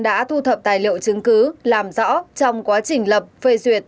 đã thu thập tài liệu chứng cứ làm rõ trong quá trình lập phê duyệt